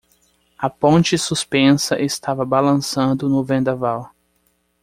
A ponte suspensa estava balançando no vendaval.